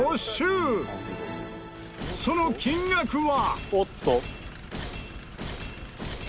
その金額は。